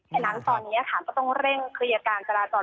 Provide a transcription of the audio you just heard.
ฉะนั้นตอนนี้ค่ะก็ต้องเร่งเคลียร์การจราจร